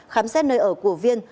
khám xét nơi ở của viên